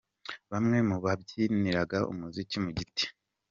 Bamwe mu babyiniraga umuziki mu giti.